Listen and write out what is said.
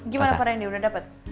gimana pak rendy udah dapet